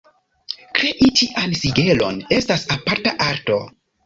Krei tian sigelon estas aparta arto.